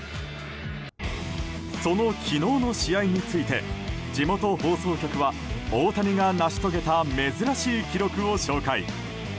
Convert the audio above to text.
その昨日の試合について地元放送局は大谷が成し遂げた珍しい記録を紹介。